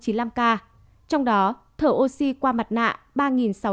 trong đó thở oxy qua mặt nạ